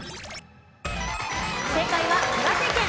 正解は岩手県。